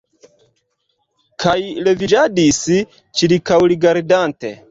Kaj leviĝadis, ĉirkaŭrigardante.